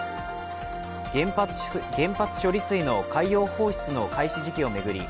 原発処理水の海洋放出の開始時期を巡り